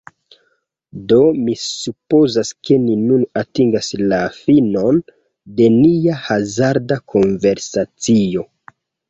Do, mi supozas, ke ni nun atingas la finon de nia hazarda konversacio.